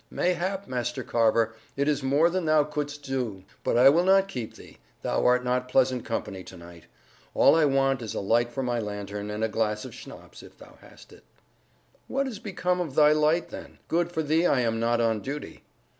"Mayhap, Master Carver, it is more than thou couldst do. But I will not keep thee; thou art not pleasant company to night. All I want is a light for my lantern, and a glass of schnapps, if thou hast it." "What is become of thy light, then? Good for thee I am not on duty."